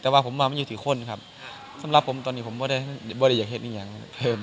แต่ว่าผมอยู่ที่ข้นสำหรับผมตอนนี้ผมจะอย่างเพิ่ม